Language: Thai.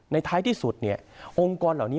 ในท้ายที่สุดเนี่ยองค์กรเหล่านี้